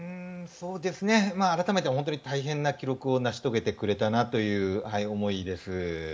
改めて本当に大変な記録を成し遂げてくれたなという思いです。